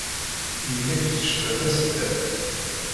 Yemma-k tecba tasedda.